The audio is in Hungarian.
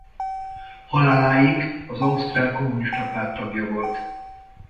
Haláláig az Ausztrál Kommunista Párt tagja volt.